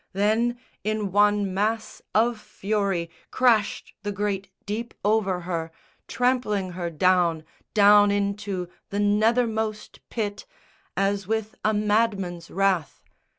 Then, in one mass Of fury crashed the great deep over her, Trampling her down, down into the nethermost pit, As with a madman's wrath.